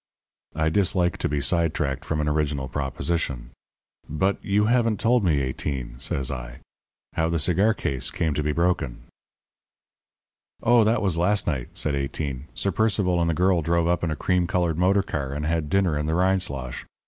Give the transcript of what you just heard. I dislike to be side tracked from an original proposition. "But you haven't told me, Eighteen," said I, "how the cigar case came to be broken." "Oh, that was last night," said Eighteen. "Sir Percival and the girl drove up in a cream coloured motor car, and had dinner in the Rindslosh.